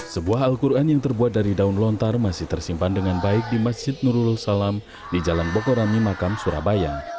sebuah al quran yang terbuat dari daun lontar masih tersimpan dengan baik di masjid nurul salam di jalan bokorami makam surabaya